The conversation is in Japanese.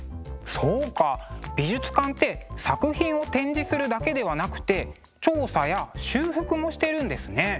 そうか美術館って作品を展示するだけではなくて調査や修復もしてるんですね。